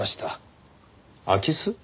空き巣？